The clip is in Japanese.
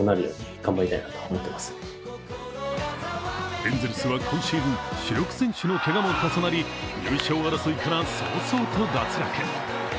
エンゼルスは今シーズン、主力選手のけがも重なり優勝争いから早々と脱落。